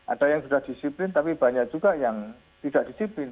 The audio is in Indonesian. ada yang sudah disiplin tapi banyak juga yang tidak disiplin